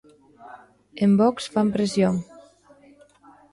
En Vox fan presión.